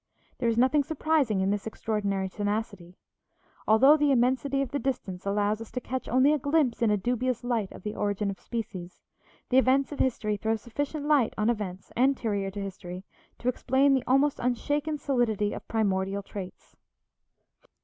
There is nothing surprising in this extraordinary tenacity. Although the immensity of the distance allows us to catch only a glimpse in a dubious light of the origin of species, the events of history throw sufficient light on events anterior to history to explain the almost unshaken solidity of primordial traits.